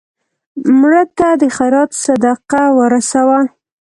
مړه ته د خیرات صدقه ورسوه